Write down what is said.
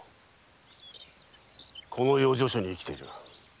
この養生所に生きている。